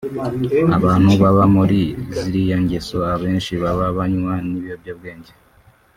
Abantu baba muri ziriya ngeso abenshi baba banywa n’ibiyobyabwenge